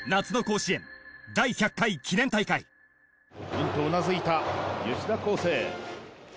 うんとうなずいた吉田輝星。